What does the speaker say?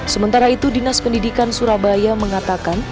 sementara itu dinas pendidikan surabaya mengatakan